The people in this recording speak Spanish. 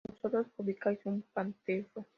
vosotros publicáis un panfleto